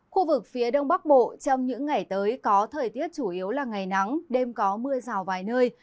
khu vực phía đông bắc bộ trong những ngày tới có thời tiết chủ yếu là ngày nắng đêm có mưa rào vài nơi